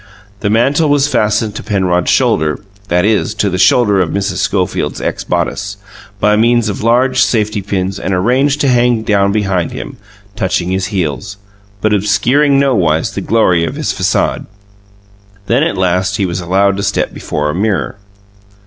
The mantle was fastened to Penrod's shoulder (that is, to the shoulder of Mrs. Schofield's ex bodice) by means of large safety pins, and arranged to hang down behind him, touching his heels, but obscuring nowise the glory of his facade. Then, at last, he was allowed to step before a mirror.